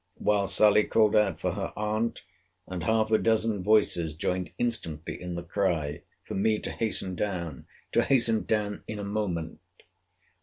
—While Sally called out for her aunt; and half a dozen voiced joined instantly in the cry, for me to hasten down, to hasten down in a moment.